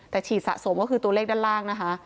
แต่ฉีดสะสมก็คือตัวเลขด้านล่างนะคะ